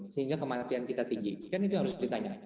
sehingga kematian kita tinggi kan itu harus ditanya